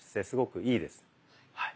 すごくいいです。